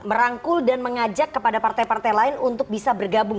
merangkul dan mengajak kepada partai partai lain untuk bisa bergabung